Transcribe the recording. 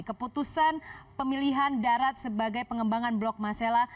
keputusan pemilihan darat sebagai pengembangan blok masela